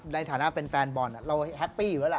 ในฐานะเป็นแฟนบอลเราแฮปปี้อยู่แล้วล่ะ